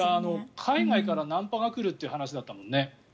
海外からナンパが来るという話だったもんね。